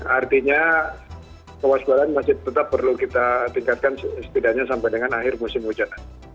artinya kewaspadaan masih tetap perlu kita tingkatkan setidaknya sampai dengan akhir musim hujan